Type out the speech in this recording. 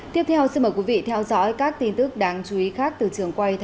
tiếp theo xin mời quý vị theo dõi các tin tức đáng chú ý khác từ trường quay tp hcm